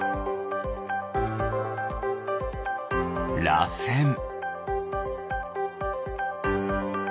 らせん。